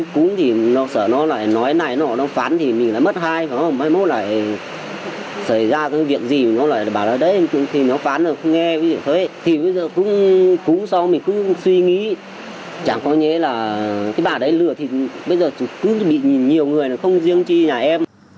cái bà đấy lừa thì bây giờ cứ bị nhiều người không riêng chi nhà em